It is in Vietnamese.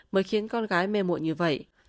mới khiến con gái mê mội như vậy